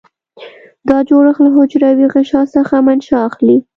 دا جوړښت له حجروي غشا څخه منشأ اخلي.